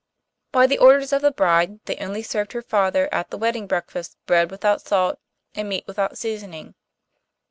By the orders of the bride, they only served her father at the wedding breakfast bread without salt, and meat without seasoning.